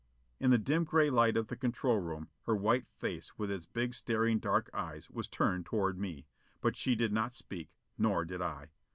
In the dim gray light of the control room her white face with its big staring dark eyes was turned toward me. But she did not speak, nor did I.